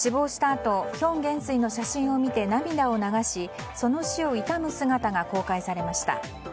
あとヒョン元帥の写真を見て涙を流し、その死を悼む姿が公開されました。